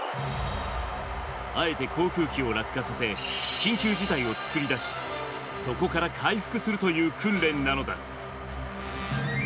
あえて航空機を落下させ、緊急事態を作り出し、そこから回復するという訓練なのだ。